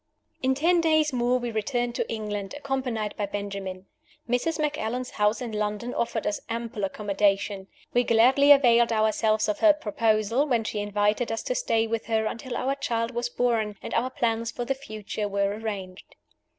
In ten days more we returned to England, accompanied by Benjamin. Mrs. Macallan's house in London offered us ample accommodation. We gladly availed ourselves of her proposal, when she invited us to stay with her until our child was born, and our plans for the future were arranged.